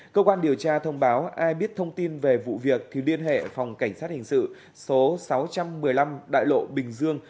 cơ quan điều tra thông báo ai biết thông tin về vụ việc thì liên hệ phòng cảnh sát hình sự số sáu trăm một mươi năm đại lộ bình dương